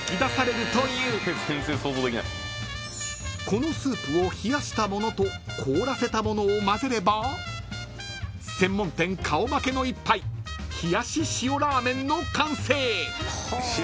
［このスープを冷やしたものと凍らせたものを混ぜれば専門店顔負けの一杯冷やし塩ラーメンの完成］